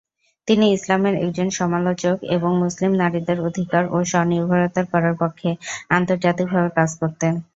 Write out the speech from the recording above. তিনি ইসলামের একজন সমালোচক এবং মুসলিম নারীদের অধিকার ও স্ব-নির্ভরতার করার পক্ষে আন্তর্জাতিক ভাবে কাজ করতেন।